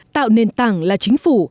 tạo nền tảng là chính phủ